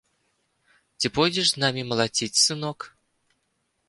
Ці пойдзеш з намі малаціць, сынок?